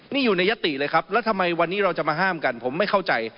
นี่อยู่ในยติเลยครับแล้วทำไมวันนี้เราจะมาห้ามกันผมไม่เข้าใจ